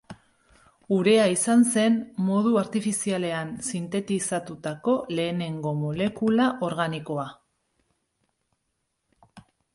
Urea izan zen modu artifizialean sintetizatutako lehenengo molekula organikoa.